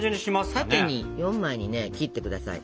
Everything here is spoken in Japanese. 縦に４枚にね切ってください。